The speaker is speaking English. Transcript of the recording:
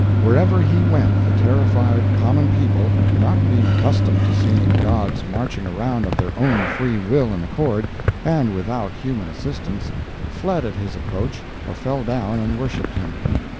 Wherever he went the terrified common people, not being accustomed to seeing gods marching around of their own free will and accord and without human assistance, fled at his approach or fell down and worshipped him.